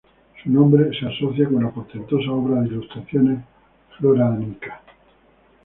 Su nombre se asocia con la portentosa obra de ilustraciones "Flora Danica".